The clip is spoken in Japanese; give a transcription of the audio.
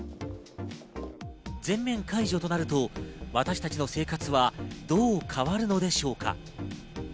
全面解除となると、私たちの生活はどう変わるのでしょうか。